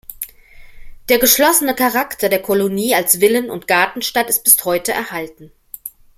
Der geschlossene Charakter der Kolonie als Villen- und Gartenstadt ist bis heute erhalten.